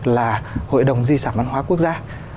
là hội đồng di sản văn hóa quốc gia